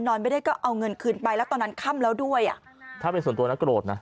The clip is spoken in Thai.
ไม่ได้ก็เอาเงินคืนไปแล้วตอนนั้นค่ำแล้วด้วยอ่ะถ้าเป็นส่วนตัวนะโกรธนะ